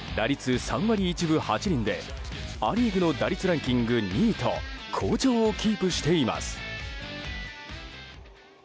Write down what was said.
打率３割１分８厘でア・リーグの打率ランキング２位と好調をキープしています。